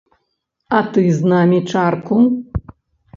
А ты з намі чарку?